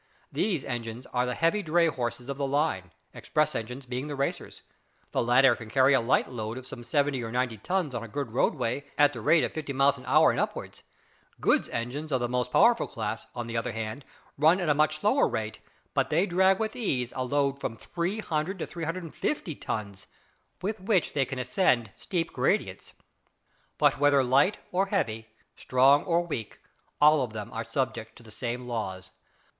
These engines are the heavy dray horses of the line, express engines being the racers. The latter can carry a light load of some seventy or ninety tons on a good roadway at the rate of fifty miles an hour or upwards. Goods engines of the most powerful class, on the other hand, run at a much slower pace, but they drag with ease a load of from 300 to 350 tons, with which they can ascend steep gradients. But whether light or heavy, strong or weak, all of them are subject to the same laws.